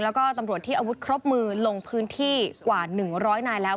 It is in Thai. แล้วก็ตำรวจที่อาวุธครบมือลงพื้นที่กว่า๑๐๐นายแล้ว